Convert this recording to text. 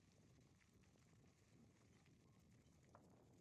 هغه د خپلو بزګرو سره یوځای کار کاوه.